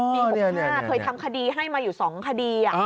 ปี๖๕เคยทำคดีให้มาอยู่๒คดี